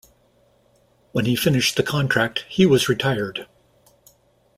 When he finished the contract he was retired.